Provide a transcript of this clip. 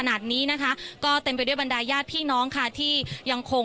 พูดสิทธิ์ข่าวธรรมดาทีวีรายงานสดจากโรงพยาบาลพระนครศรีอยุธยาครับ